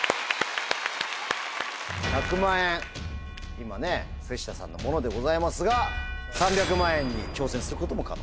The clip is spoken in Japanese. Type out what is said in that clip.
今ね瀬下さんのものでございますが３００万円に挑戦することも可能です。